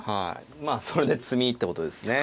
まあそれで詰みってことですね。